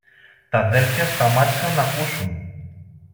Τ' αδέλφια σταμάτησαν ν' ακούσουν.